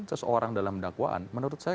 seseorang dalam dakwaan menurut saya